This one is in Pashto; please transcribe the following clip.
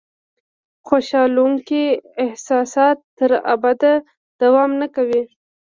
خوشالونکي احساسات تر ابده دوام نه کوي.